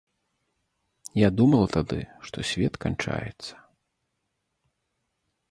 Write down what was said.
Я думала тады, што свет канчаецца.